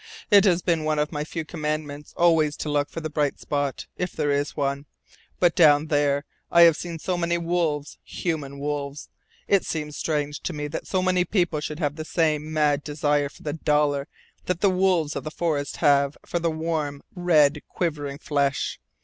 "It has been one of my few Commandments always to look for the bright spot, if there is one. But, down there, I have seen so many wolves, human wolves. It seems strange to me that so many people should have the same mad desire for the dollar that the wolves of the forest have for warm, red, quivering flesh.